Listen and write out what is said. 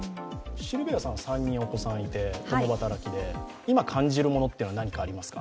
シルビアさん３人お子さんいて、共働きで今、感じるものって何かありますか。